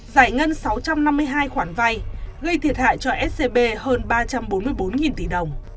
giải ngân sáu trăm năm mươi hai khoản vay gây thiệt hại cho scb hơn ba trăm bốn mươi bốn tỷ đồng